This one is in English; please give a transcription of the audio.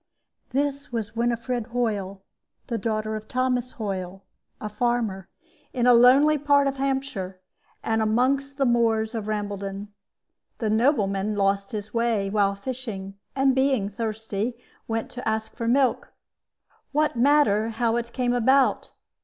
"This was Winifred Hoyle, the daughter of Thomas Hoyle, a farmer, in a lonely part of Hampshire, and among the moors of Rambledon. The nobleman lost his way, while fishing, and being thirsty, went to ask for milk. What matter how it came about?